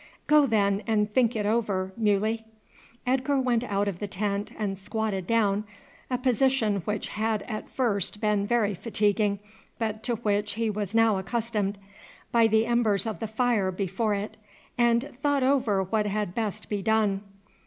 "Go, then, and think it over, Muley." Edgar went out of the tent and squatted down (a position which had at first been very fatiguing, but to which he was now accustomed) by the embers of the fire before it, and thought over what had best be done.